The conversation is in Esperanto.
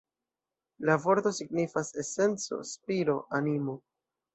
La vorto signifas "esenco, spiro, animo".